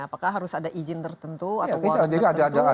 apakah harus ada izin tertentu atau war tertentu